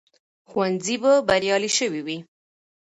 ښوونځي به بریالي شوي وي.